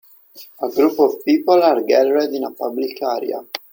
A group of people are gathered in a public area.